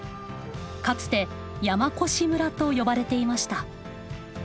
かつて山古志村と呼ばれていました。